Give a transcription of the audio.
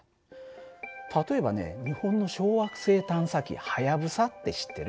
例えばね日本の小惑星探査機「はやぶさ」って知ってる？